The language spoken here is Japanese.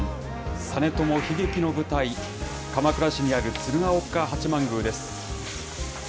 実朝悲劇の舞台、鎌倉市にある鶴岡八幡宮です。